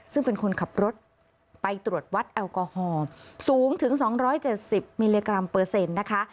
ซึ่งเป็นคนขับรถไปตรวจวัดแอลกอฮอล์สูงถึง๒๗๐มิลลิกรัมเปอร์เซ็นต์นะคะ